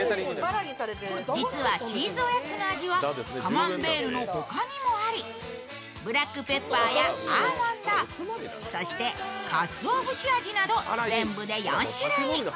実はチーズおやつの味はカマンベールの他にもありブラックペッパーやアーモンド、そして、かつおぶし味など全部で４種類。